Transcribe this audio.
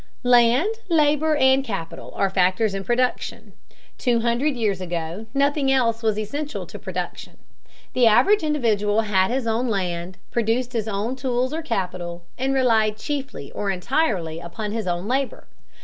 Land, labor, and capital are factors in production. Two hundred years ago nothing else was essential to production. The average individual had his own land, produced his own tools or capital, and relied chiefly or entirely upon his own labor.